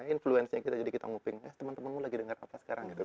influencenya kita jadi kita nguping eh temen temen lo lagi denger apa sekarang